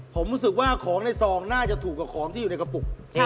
ผมรู้สึกว่าของในซองน่าจะถูกกว่าของที่อยู่ในกระปุก